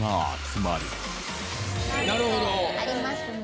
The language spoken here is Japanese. ありますね。